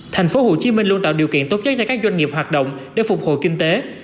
tp hcm luôn tạo điều kiện tốt nhất cho các doanh nghiệp hoạt động để phục hồi kinh tế